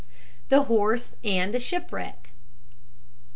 THE HORSE AND THE SHIPWRECK.